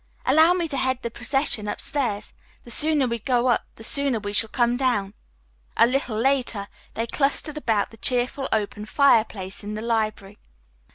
"Allow me to head the procession upstairs. The sooner we go up the sooner we shall come down." A little later they clustered about the cheerful open fireplace in the library.